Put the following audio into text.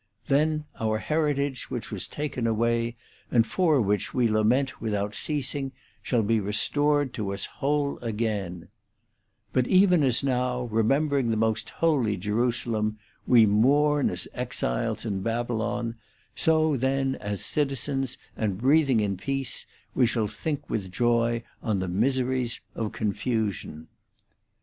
Then our heritage which was taken away, and for which we lament without ceasing, shall be restored to us whole again^ But even as now, remembering the most holy Jerusalem, we mourn as exiles in Babylon, so then as citizens, and breathing in peace, we shall think with joy on the miseries of Con fusion.